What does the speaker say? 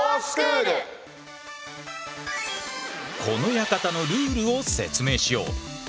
この館のルールを説明しよう！